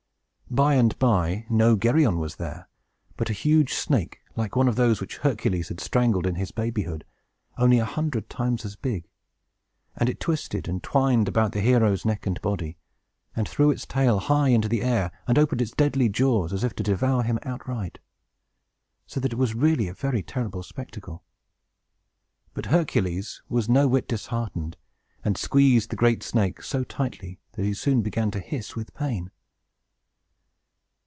By and by, no Geryon was there, but a huge snake, like one of those which Hercules had strangled in his babyhood, only a hundred times as big; and it twisted and twined about the hero's neck and body, and threw its tail high into the air, and opened its deadly jaws as if to devour him outright; so that it was really a very terrible spectacle! But Hercules was no whit disheartened, and squeezed the great snake so tightly that he soon began to hiss with pain.